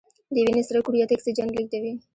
د وینې سره کرویات اکسیجن لیږدوي